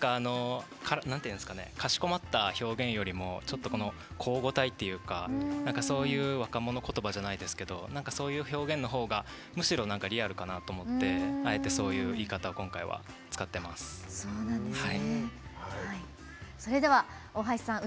かしこまった表現よりも口語体っていうか若者ことばじゃないですけどそういう表現のほうがむしろリアルかなと思ってあえてそういう言い方を今回は使ってます。